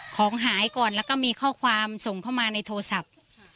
ของหายก่อนแล้วก็มีข้อความส่งเข้ามาในโทรศัพท์